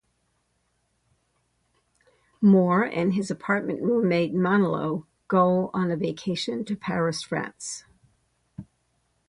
Moore and his apartment roommate Manolo go on a vacation to Paris, France.